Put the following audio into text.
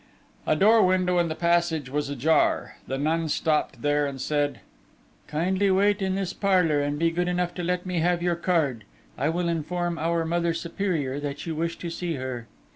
A door window in the passage was ajar: the nun stopped here and said: "Kindly wait in this parlour, and be good enough to let me have your card. I will inform our Mother Superior that you wish to see her."